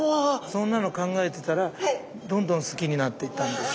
そんなの考えてたらどんどん好きになっていったんです。